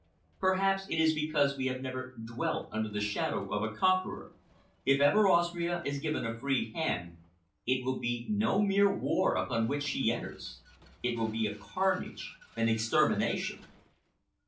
Perhaps it is because we have never dwelt under the shadow of a conqueror. If ever Austria is given a free hand, it will be no mere war upon which she enters,—it will be a carnage, an extermination!"